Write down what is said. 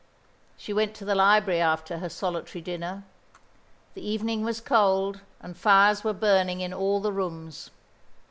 She went to the library after her solitary dinner. The evening was cold, and fires were burning in all the rooms.